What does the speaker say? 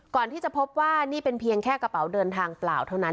ก่อนที่จะพบว่านี่เป็นเพียงแค่กระเป๋าเดินทางเปล่าเท่านั้น